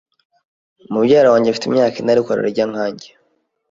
Mubyara wanjye afite imyaka ine, ariko ararya nkanjye.